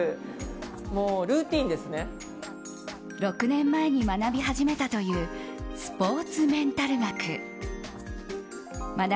６年前に学び始めたというスポーツメンタル学。